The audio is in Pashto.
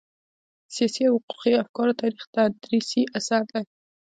د سياسي او حقوقي افکارو تاریخ تدريسي اثر دی.